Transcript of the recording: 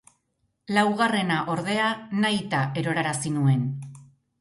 Laugarrena, ordea, nahita erorarazi nuen.